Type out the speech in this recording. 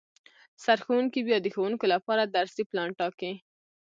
سرښوونکی بیا د ښوونکو لپاره درسي پلان ټاکي